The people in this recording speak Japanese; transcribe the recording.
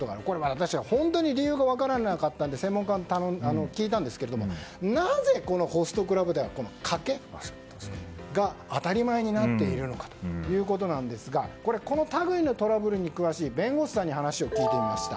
私は本当に理由が分からなかったので専門家に聞いたんですがなぜ、このホストクラブではカケが当たり前になっているのかということですがこの類のトラブルに詳しい弁護士さんに聞いてみました。